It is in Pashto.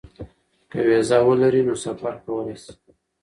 که وېزه ولري نو سفر کولی شي.